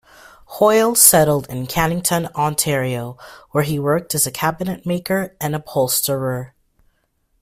Hoyle settled in Cannington, Ontario, where he worked as a cabinet maker and upholsterer.